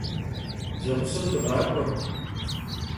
Zeğuseu dığak'ue.